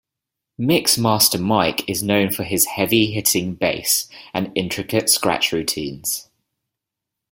Mix Master Mike is known for his heavy-hitting bass and intricate scratch routines.